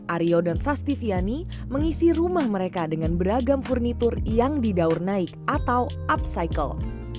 aryo dan sastiviani mengisi rumah mereka dengan beragam furnitur yang didaur naik atau upcycle